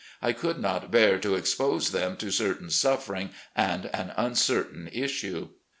I could not bear to expose them to certain suffering and an \mcertain issue.